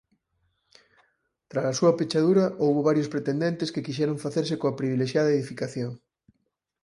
Trala súa pechadura houbo varios pretendentes que quixeron facerse coa privilexiada edificación.